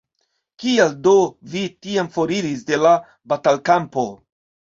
Kial do vi tiam foriris de la batalkampo?